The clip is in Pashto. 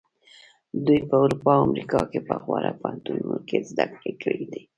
دوی په اروپا او امریکا کې په غوره پوهنتونونو کې زده کړې کړې دي.